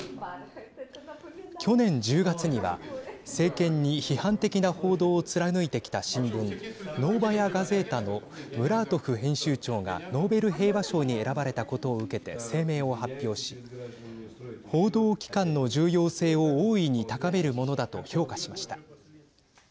去年１０月には政権に批判的な報道を貫いてきた新聞ノーバヤ・ガゼータのムラートフ編集長がノーベル平和賞に選ばれたことを受けて声明を発表し報道機関の重要性を大いに高めるものだと評価しました。